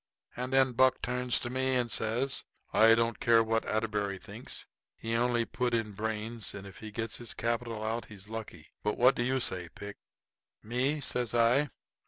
And then Buck turns to me and says: "I don't care what Atterbury thinks. He only put in brains, and if he gets his capital out he's lucky. But what do you say, Pick?" "Me?" says I.